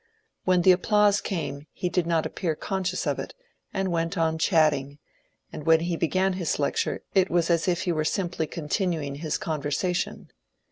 When the applause came he did not appear conscious of it, and went on chatting, and when he began his lecture it was as if he were simply continuing his conversation.